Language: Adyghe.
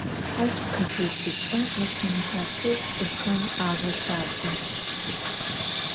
Aş khıxeç'ıç'e mı senehatır ts'ıfxem ağelhap'e.